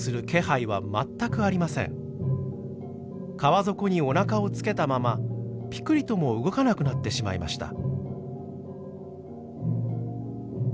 川底におなかをつけたままピクリとも動かなくなってしまいました。